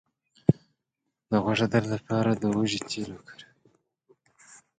د غوږ د درد لپاره د هوږې تېل وکاروئ